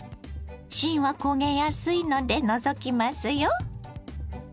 芯は焦げやすいので除きますよ。